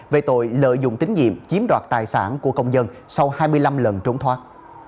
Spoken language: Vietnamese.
về tội lợi dụng tín nhiệm chiếm đoạt tài sản của công dân sau hai mươi năm lần trốn thoát